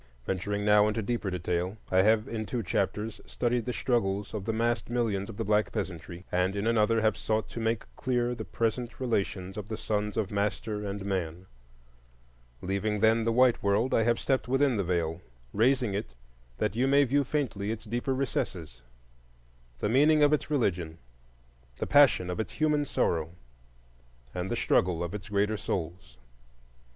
Venturing now into deeper detail, I have in two chapters studied the struggles of the massed millions of the black peasantry, and in another have sought to make clear the present relations of the sons of master and man. Leaving, then, the white world, I have stepped within the Veil, raising it that you may view faintly its deeper recesses,—the meaning of its religion, the passion of its human sorrow, and the struggle of its greater souls.